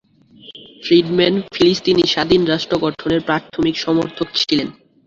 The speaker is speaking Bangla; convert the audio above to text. ফ্রিডম্যান ফিলিস্তিনি স্বাধীন রাষ্ট্র গঠনের প্রাথমিক সমর্থক ছিলেন।